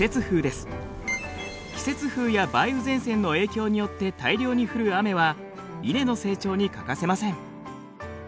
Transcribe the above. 季節風や梅雨前線の影響によって大量に降る雨は稲の成長に欠かせません。